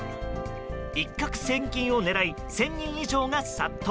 一攫千金を狙い１０００人以上が殺到。